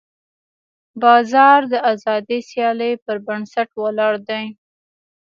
بازار د ازادې سیالۍ پر بنسټ ولاړ دی.